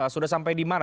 sudah sampai di mana